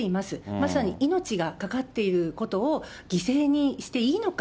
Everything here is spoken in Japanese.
まさに命がかかっていることを犠牲にしていいのか。